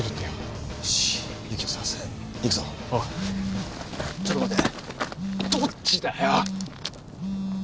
どっちだよ？